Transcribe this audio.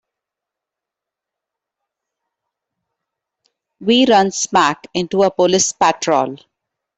We run smack into a police patrol.